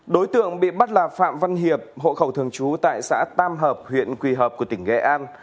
đối tượng bị bắt là phạm văn hiệp hộ khẩu thường trú tại xã tam hợp huyện quỳ hợp của tỉnh nghệ an